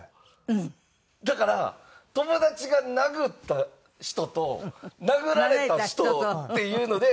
だから友達が殴った人と殴られた人っていうので。